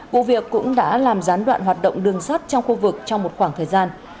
vụ việc cũng đã làm gián đoạn hoạt động đường sắt trong khu vực trong một khoảng thời gian